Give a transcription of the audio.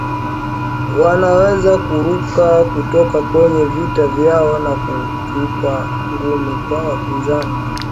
wanaweza kuruka kutoka kwenye viti vyao na kutupa ngumi kwa wapinzani